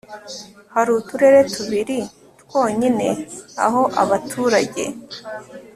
hari uturere tubiri twonyine aho abaturage